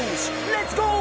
レッツゴー！